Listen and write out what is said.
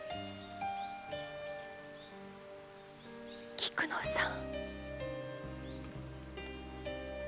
菊乃さん。